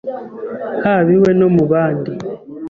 haba iwe no mu bandi